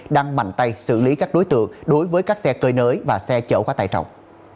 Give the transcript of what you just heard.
đang mạnh tay xử lý các đối tượng đối với các xe cơi nới và xe chở quá tải trọng